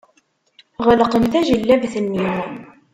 Ɣelqen tajellabt-nni.